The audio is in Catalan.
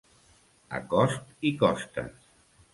A cost i costes.